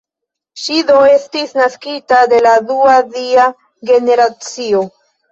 Ŝi do estis naskita de la dua dia generacio.